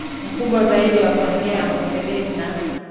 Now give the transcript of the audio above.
mkubwa zaidi wa familia ya mustelid na